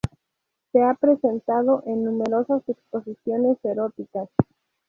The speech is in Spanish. Se ha presentado en numerosas exposiciones eróticas.